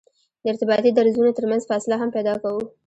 د ارتباطي درزونو ترمنځ فاصله هم پیدا کوو